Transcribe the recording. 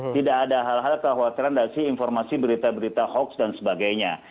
tidak ada hal hal kekhawatiran dari informasi berita berita hoax dan sebagainya